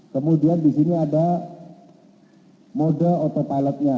kemudian di sini ada mode autopilotnya